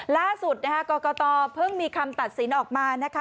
ล่าสุดนะคะกรกตเพิ่งมีคำตัดสินออกมานะคะ